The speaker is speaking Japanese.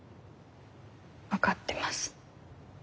分かってます。